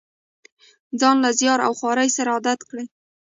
ځان له زیار او خوارۍ سره عادت کړي.